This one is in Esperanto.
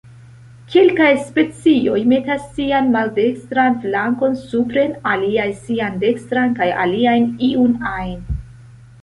Kelkaj specioj metas sian maldekstran flankon supren, aliaj sian dekstran kaj aliaj iun ajn.